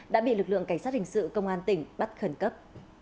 đã bị lực lượng cảnh sát hình sự công an tỉnh bắt khẩn cấp